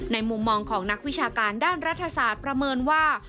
มุมมองของนักวิชาการด้านรัฐศาสตร์ประเมินว่า